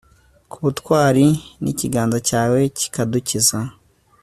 k'ubutwari, n'ikiganza cyawe kikadukiza